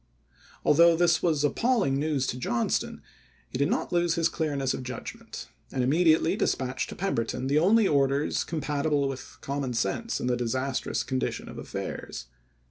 Al though this was appalling news to Johnston he did not lose his clearness of judgment, and immedi ately dispatched to Pemberton the only orders compatible with common sense in the disastrous condition of affairs.